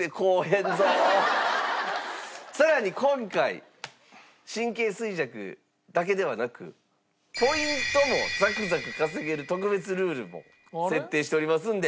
さらに今回神経衰弱だけではなくポイントもザクザク稼げる特別ルールも設定しておりますんで。